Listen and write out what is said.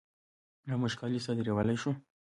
آیا موږ کالي صادرولی شو؟